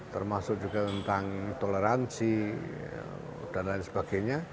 termasuk juga tentang toleransi dan lain sebagainya